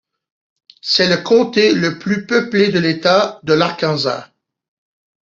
C'est le comté le plus peuplé de l'État de l'Arkansas.